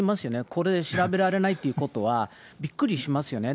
これ調べられないっていうことはびっくりしますよね。